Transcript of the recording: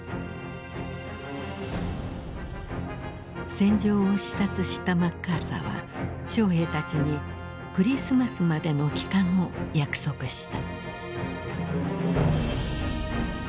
戦場を視察したマッカーサーは将兵たちにクリスマスまでの帰還を約束した。